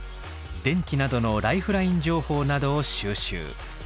電気などのライフライン情報などを収集。